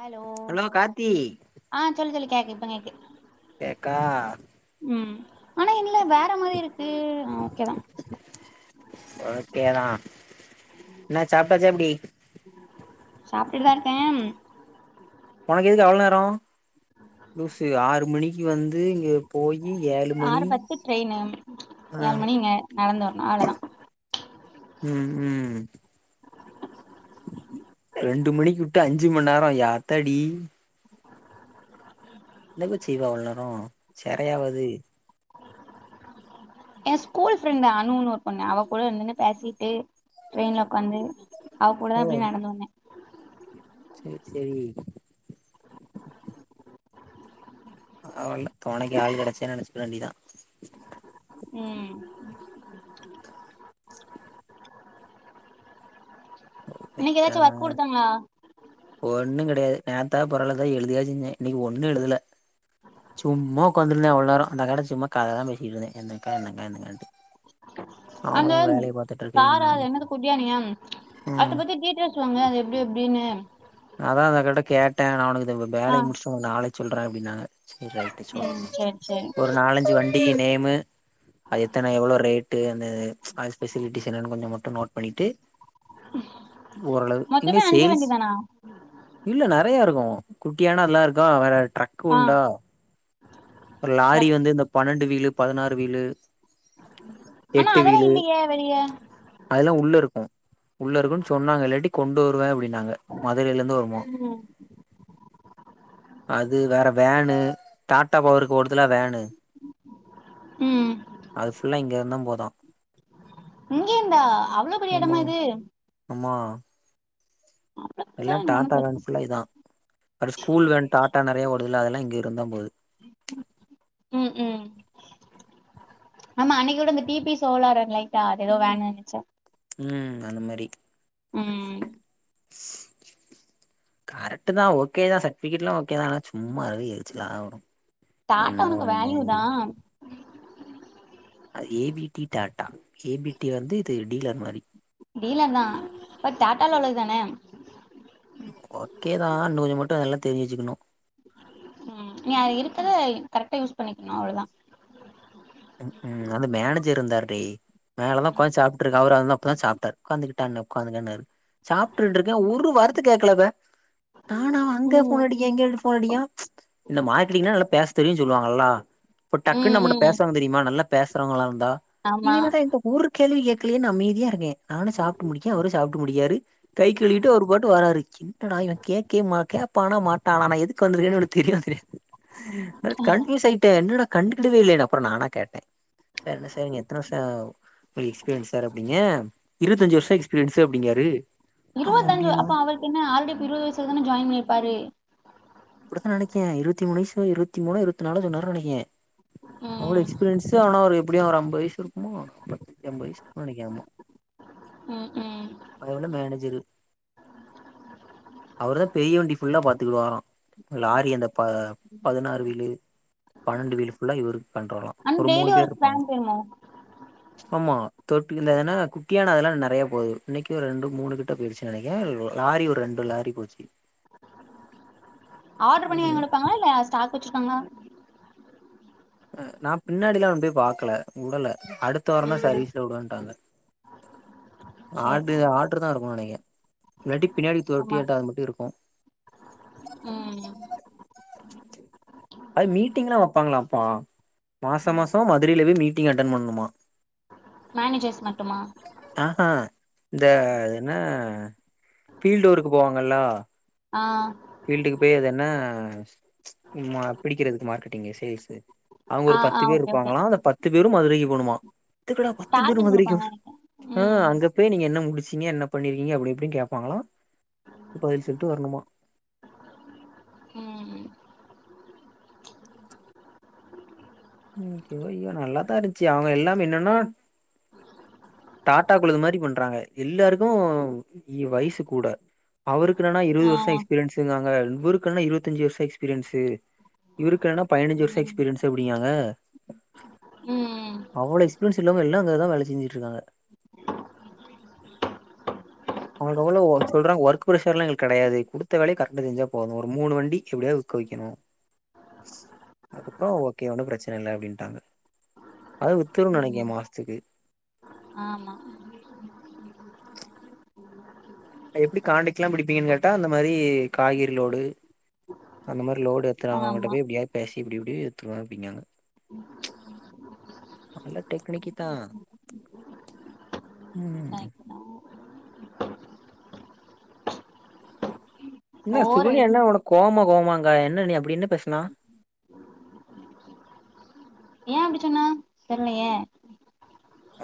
hello ஆ சொல்லு சொல்லு கேக்குது இப்ப கேக்கு கேக்கா ம் ஆனா இல்ல வேற மாரி இருக்கு அ ஓகேதா ஓகேதா என்னா சாப்ட்டாச்சா எப்புடி சாப்டுட்டுதா இருக்கே உனக்கு எதுக்கு அவ்ளோ நேரோ ஆறு மணிக்கு வந்து எப் ஆறு பத்து ட்ரெயினு ஆ ஏழு மணிங்க நடந்து வரணோ அவ்ளதா ம் ம் [inaudible] ரெண்டு மணிக்கு விட்டு அஞ்சு மணி நேரோ எ யாத்தாடி என்னப செய்வா அவ்ளோ நேரோ செரையாவது என் ஸ்கூல் ஃப்ரெண்ட் அணுன்னு ஒரு பொண்ணு அவ கூட இருந்துன்னு பேசிட்டு டிரெயின்ல உக்காந்து அவ கூடதா அப்டி நடந்து வந்தே சேர் சேரி அவல்ல துனைக்கி ஆள் கிடச்சேன்னு நினச்சுக வேண்டிதா ம் இன்னைக்கு ஏதாச்சு ஒர்க் கொ மைகாட் குடுத்தாங்ளா ஒண்ணு கெடையாது நேதா பரவலதா எழுதியாச்சுந்தே இன்னைக்கு ஒண்ணு எழுதுல சும்மா ஒக்காந்துருந்தே இவ்ளோ நேரோ அந்த அக்காட சும்மா கத தா பேசிகிட்ருந்தே எனக்கா என்னக்கா என்னக்கான்ட்டு அந்த அவங்களு வேலைய பாத்துட்டு சாரா இருக்கேன்னாங்க என்னது குட்டியானயா அத ம் பத்தி டீட்டெ திட்டுவாங்க அது எப்டி எப்டின்னு அதா அந்தக்காட்ட கேட்டே நா உனுக்கு இந்த ஆ வேலைய முடிச்சுட்டு உனுக்கு நாளைக்கு சொல்ற அப்டின்னாங்க சரி ஆயிட்டு ம் சொல்லுங்க சேரி சேரி ஒரு நாலஞ்சு வண்டிக்கு நேமு அது எத்தன எவ்ளோ ரேட்டு அந்த அது ஃபெசிலிட்டிஸ் என்னனு கொஞ்ச மட்டு நோட் பண்ணிட்டு ஓரளவு மொத்தமே இங்க அஞ்சு வண்டி சேல்ஸ் தானா இல்ல நெறையா இருக்கு குட்டியானா எல்லா இருக்கா வேற ட்ரக்கு ஆ உண்டோ இப்ப லாரி ட்ரக் வந்து இந்த பன்னெண்டு வீழு பதுனாறு வீழு ஆனா எட்டு அதெல்லா வீழு இல்லையே வெளிய அதெலா உள்ள இருக்கு உள்ள இருக்குன்னு சொன்னாங்க இல்லாட்டி கொண்டு வருவே அப்டின்னாங்க மதுரையில இருந்து வருமா ம் அது வேற வேன்னு டாட்டா பவருக்கு ஓடுத்துலா வேனு ம் அது புல்லா இங்க இருந்தா போதா இங்க இருந்தா அவ்ளோ பெரிய ஆமா எடமா இது ஆமா அவ்ளோ பெருசா எல்லா எனக்கு ஒன்னு டாடா தெர் வேன் ஃபுல்லா இதா அது ஸ்கூல் வேன் டாடா நெறையா வருதுல்ல அதெல்லா இங்கே இருந்துதா போகுது ம் ம் ஆமா அன்னைக்கு கூட இந்த டி பி சோலார் லைட்டா அது ஏதோ வேணு நெனச்சே ம் அந்த மேரி ம் கரெட் தா ஓகே தா சர்டிபேக்ட்ல்ல ஓகோ ஆனா சும்மா அதுவே எரிச்சுலா வரு டாட்டா என்ன உனுக்கு ஒண்ணு வேல்யூ தா அ A B T Tata A B T வந்து இது டீலர் மாரி டீலர் தா பட் டாட்டால்ல உளது தான ஓகேதா இன்னு கொஞ்ச மட்டு அதெல்ல தெரிஞ்சு வச்சுக்கணு ம் நீ அது இருக்கரத கரெக்டா யூஸ் பண்ணிக்குணு அவ்ளுதா ம் அந்த மேனேஜர் இருந்தார்டி மேலா தா ஒக்காந்து சாப்ட்டுருகு அவரு அப்ப தா சாப்டாரு உக்காந்துட்டா என உக்காருங்கனாரு சாப்ட்டுட்டு இருக்கே ஒரு வார்த்த கேக்கல இவ நான அங்க ம் போன் அடிக இங்க [unintelligible] போன் அடிக இந்த மார்க்கெட்டிங்னா நல்லா பேச தெரியு சொல்லுவாங்கல்லா இப்ப டக்குன்னு ம் நம்மட்ட ம் பேசுறவங்க தெரியுமா நல்லா பேசறவங்களா இருந்தா ஆமா [unintelligible] ஒரு கேள்வி கேட்கலே நா அமைதியா இருக்கே நானு சாப்ட்டு முடிக்கே அவரு சாப்ட்டு முடிக்கியாரு கை கழுவிட்டு ஒரு பாட்டு வாரா இருன்ச்சு டா இவன் கேக்கே மாட்ட கேப்பானா மாட்டானா நா எதுக்கு வந்திருக்கேன்னு இவனுக்கு தெரியாது கண்ஃபியூஸ் ஆயிட்ட என்னடா கண்டுக்கவே இல்லடா அப்றோ நானா கேட்ட என்ன சார் நீங்க எத்தன வருஷோ எக்ஸ்பீரியன்ஸ் சார் அப்பிங்க இருவத்தஞ்சு வருஷோ எக்ஸ்பீரியன்ஸு அப்டிங்காரு அவங்க இருவத்தஞ்சு உண்மையா அப்ப அவருக்கு என்ன ஆல்ரெடி இருவது வயசுல தான ஜாயின் பண்ணிருப்பாரு அப்படித்தா நனைக்கே இருவத்தி மூணு வயசுல இருவத்தி மூணோ இருவத்தி நாலோ சொன்னார் நனைக்கே அவ்வளோ ம் எக்ஸ்பீரியன்ஸ் ஆனா ஒரு எப்புடியு ஒரு அம்பது வயசு இருக்குமோ பத்து அம்பது‌வயசு நினைக்க ம் ம் அவரு மேனஜரு அவருதா பெரிய வண்டி ஃபுல்லா பாத்துக்கு வாரா லாரி அந்த ப பதினாறு வீலு பன்னெண்டு வீடு ஃபுல்லா இவுருக் கன்ட்ரோலா அன் டெய்லி ஒரு ஃபேன்ட் வேணுமோ ஆமா தொட்டிக்குள்ள ஏன்னா குட்டியான அதெல்லா நறைய போகு இன்னைக்கு ஒரு ரெண்டு மூணு கிட்ட போயிடுச்சு நனைக்க லாரி ஒரு ரெண்டு லாரி போச்சு ஆர்டர் பண்ணி வாங்கி குடுப்பாங்க இல்ல ஸ்டாக் வச்சிருக்காங்ளா அ நா பின்னாடில்லா ஒண்டு போய் பாக்கல உடல அடுத் த வாரோ தா ம் சரிவீஸ்ல உடுவேட்டாங்க சேரி ஆடரு சேரி ஆர்டரு தா இக்குண் நெனைக்க இல்லாட்டி பின்னாடி ஆமா தோட்டி ஆட்ட அது மட்டு இருக்கு ம் அது மீட்டிங்லா வப்பாங்களாப்பா மாசம் மாசம் மதுரையில போய் மீட்டிங் அட்டென் பண்ணணுமா மேனேஜர்ஸ் மட்டுமா அ அ இந்த என்ன ஃபீல்டு ஒர்க்கு போவாங்கல்ல ஆ ஃபீல்டுக்கு போய் அது என்ன மா பிடிக்கிறதுக்கு மார்க்கெட்டிங்கு சேல்ஸ்ஸு அவுங்க ஆ ஒரு ஆ பத்து பேர் ஓகே ஓகே இருப்பாங்களா அந்த பத்து பேரும் மதுரைக்கு போணுமா எதுக்கடா பத்து பேரு டார்கெட் மதுரைக்கு குடுப்பாங்க நெனைக்கே ஆ ம் அங்க போய் நீங்க என்ன முடிச்சீங்க என்ன பண்ணி இருக்கீங்க அப்டி இப்டினு கேப்பாங்களா பதில் சொல்ட்டு வரணுமா ம் ஐயோ ஐயோ நல்லாதா இருந்துச்சு அவுங்க எல்லாம் என்னன்னா டாட்டா குழுது மாரி பண்றாங்க எல்லாருக்கு இ வயசு கூட அவருக்கு என்னானா இருவது ஆ வருஷோ எக்ஸ்பீரியன்ஸ்ஸுகாங்க இவருக்குனா இருவத்தஞ்சு வருஷோ எக்ஸ்பீரியன்ஸு இவருக்கு என்னானா பதினஜ்சு வருஷோ ம் எக்ஸ்பீரியன்ஸ் அப்டிக்காங்க ம் அவ்ளோ எக்ஸ்பீரியன்ஸ் உள்ளவங்க எல்லா அங்கதா வேல செஞ்சுட்டு இருக்காங்க அவுங்கவுள்ள ஒர் சொல்றாங்க ஒர்க் பிரஷ் ஷர்லா எங்களுக் கடையாது குடுத்த வேலைய கரெக்டா செஞ்சா போது ஒரு மூணு வண்டி எப்டியா விக்க வைக்கணு அதுக்கப்புறோ ஓகே ஒண்ணு பிரச்சன இல்ல அப்டின்ட்டாங்க அதா வித்துருன்னு நனைக்கே ம் மாசத்துக்கு ஆமா எப்டி கான்டெக்ட்ல்லா புடிப்பீங்கன்னு கேட்டா இந்த மாரி காய்கறிலோடு அந்த மாரி லோடு எத்துறவுங்க அவுங்கிட்ட ஆமா போய் எப்டியாது பேசி இப்டி இப்டி எத்துருவ அப்டிங்காங்க நல்ல டெக்னிக்கு தா ம் கரெக்ட் தா என்ன போர் சுகன்யா அடிக்கு என்ன உனக் கோவமா கோவமாங்க என்ன நீ அப்டி என்ன பேசுனா ஏ அப்டி சொன்னா தெர்லயே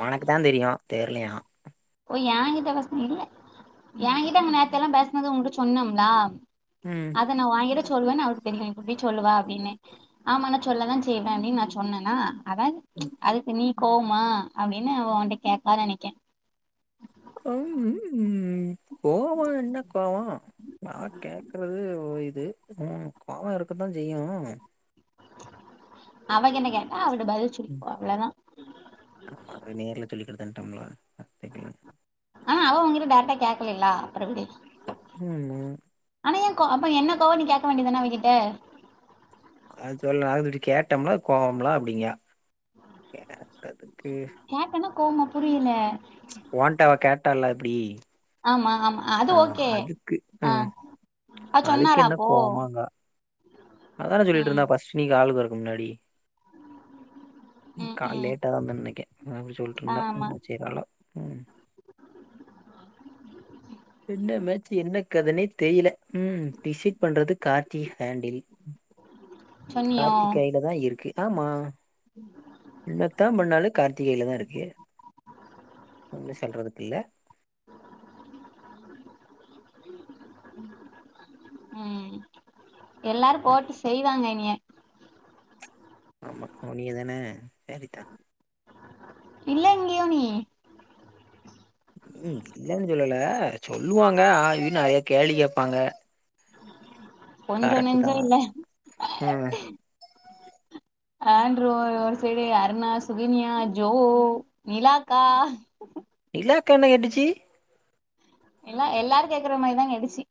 ஒனக்கு தா தெரியு தெர்லையா ஓ ஏன் கிட்ட பசங்க இல்ல ஏன்கிட்ட அங்க நேரத்தைய எல்லாம் பேசனது உங்கிட்ட சொன்னம்லா ம் அத நா ஓங்கிட்ட சொல்வேன்னு அவர்க்கு தெரியு எப்டி சொல்லுவ அப்டின்னு ஆமா நா சொல்லதா செய்வே அப்டின்னு நா சொன்னனா அதா அதுக்கு நீ கோவ்மா அப்டின்னு அவ ஒன்ட்ட கேட்டா நெனைக்கே கோவொன்னா கோவொ நா கேக்கறது இது ம் கோவொ இருக்கதா செய்யு அவ என்ன கேட்டா அவள்ட்ட பதில்ச்சு ஆமா அது நேர்ல சொல்லிகிட்டு தன்ட்டம்லா ஆ அவ உங்கிட்ட டேரக்ட்டா கேக்கலில்லா அப்பறம் விடு ம் ம் ஆனா ஏ கோ அப்ப என்ன கோவோ நீ கேக்க வேண்டியதான அவகிட்ட அது சொல்ல அழுதுட்டு கேட்டம்லா கோவம்ல்லா அப்டிங்கா கேட்டதுக்கு கேட்டனா கோவமா புரியில ஓன்ட அவ கேட்டால்ல அப்டி ஆமா ஆமா அது ஓகே ஆ ம் அ அதுக்கு சொன்னாளா என்ன அப்போ கோவமாங்கா அதான ம் சொல்லிட்டுருந்தா ஃபஸ்டு நீ காலுக்கு வறக்கு முன்னாடி ம் கா ம் லேட்டா தா தந் இன்னக்கே அப்டி சொல்ட்டுர்ந்தா ஆமா என்ன செய்றாளோ ம் என்ன மேட்சி என்ன கதனே தெரியல ம் டிசைட் பண்றது கார்த்தி ஹேண்டில் சொன்னியோ கார்த்தி கையில தா இருக்கு ஆமா என்னத்தா பன்னாலு கார்த்தி கைலதாருக்கு ஒண்ணு சொல்றதுக்கு இல்ல [inaudible] ம் எல்லாரூ போட்டு செய்வாங்க என்னய ஆமா ஒன்னிய தான சேரித்தா இல்ல இங்கியோனி ம் இல்லன்னு சொல்லல சொல்லுவாங்க ஆய்உய்னு நறைய கேள்வி கேப்பாங்க கொஞ்சோ கரெட்டுதா நெஞ்சோ இல்ல ம் ஆண்ரோ ஒரு ஒரு சைடு அருணா சுகின்யா ஜோ நிலாக்கா நிலாக்கா என்ன கேட்டுச்சி எல்லா எல்லாரு கேக்குற மாரி தா கேட்டுச்சி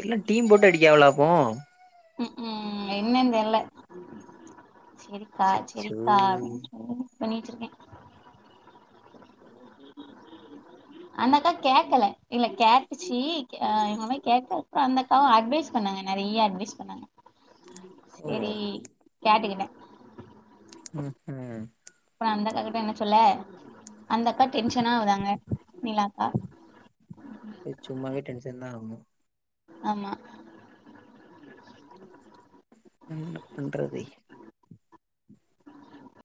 எல்லா டீம் போட்டு அடிக்காவலா அப்போ ம் ம் என்னன் தெர்ல செரி கா அச்சச்சோ செரிக்கா அப்டின் சொல்லி இது பண்ணி வச்சிருக்கே அந்தக்கா கேக்கல இல்ல கேட்டுச்சி ஆ எங்களமேரி கேக்கல அப்புறொ அந்தக்காவு அட்வைஸ் பண்ணாங்க நெறைய அட்வைஸ் பண்ணாங்க ஓ செரி கேட்டுக்கிட்ட ம் ம் அப்பறொ அந்தக்கா கிட்ட என்ன சொல்ல அந்தக்கா டென்ஷனா ஆவுறாங்க நிலா அக்கா அது சும்மாவே டென்ஷன் தா ஆகூ ஆமா என்ன பண்றதே